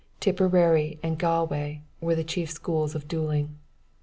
Tipperary and Galway were the chief schools of duelling.